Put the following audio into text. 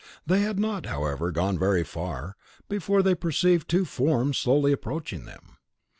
They had not, however, gone very far, before they perceived two forms slowly approaching them.